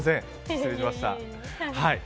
失礼しました。